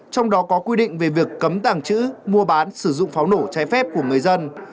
trong đó có quy định về việc cấm tàng trữ mua bán sử dụng pháo nổ trái phép của người dân